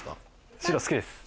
白好きです。